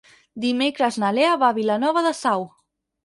Dimecres na Lea va a Vilanova de Sau.